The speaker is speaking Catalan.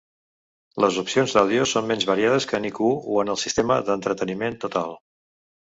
Les opcions d'àudio són menys variades que en iQ o en el sistema d'entreteniment total.